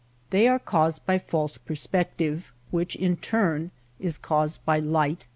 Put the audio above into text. They are caused by false perspective, which in turn is caused by light and air.